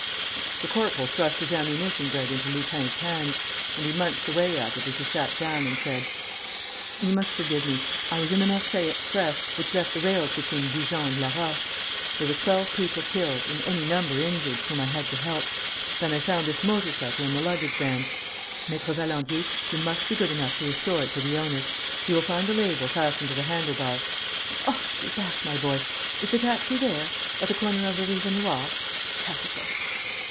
The corporal thrust his ammunition bread into Lupin's hand; and he munched away at it as he sat down and said: "You must forgive me. I was in the Marseilles express, which left the rails between Dijon and Laroche. There were twelve people killed and any number injured, whom I had to help. Then I found this motor cycle in the luggage van.... Maître Valandier, you must be good enough to restore it to the owner. You will find the label fastened to the handle bar. Ah, you're back, my boy! Is the taxi there? At the corner of the Rue Raynouard? Capital!"